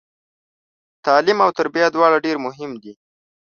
تعلیم او تربیه دواړه ډیر مهم دي